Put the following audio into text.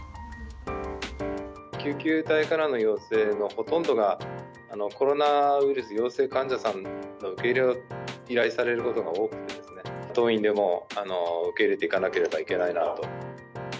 救急隊からの要請のほとんどが、コロナウイルス陽性患者さんの受け入れを依頼されることが多くてですね、当院でも受け入れていかなければいけないだろうと。